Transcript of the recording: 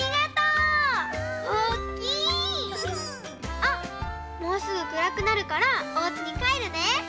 あっもうすぐくらくなるからおうちにかえるね！